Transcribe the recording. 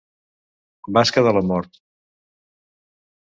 Basca de la mort.